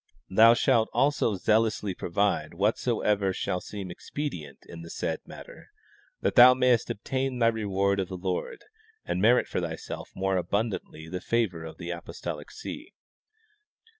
Thou shalt also zealously pro vide whatsoever shall seem expedient in the said matter, that thou mayest obtain thy reward of the Lord and merit for th}^ self more abundantly the favor of the apostolic see.